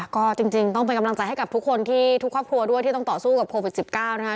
ก็จริงต้องเป็นกำลังใจให้กับทุกคนที่ทุกครอบครัวด้วยที่ต้องต่อสู้กับโควิด๑๙นะคะ